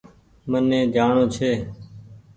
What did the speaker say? مهني جآڻو ڇي